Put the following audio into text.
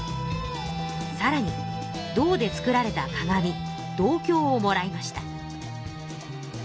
さらに銅で作られた鏡銅鏡をもらいました。